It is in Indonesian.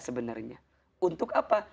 sebenarnya untuk apa